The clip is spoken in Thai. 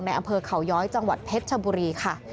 อำเภอเขาย้อยจังหวัดเพชรชบุรีค่ะ